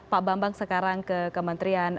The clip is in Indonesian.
pak bambang sekarang ke kementerian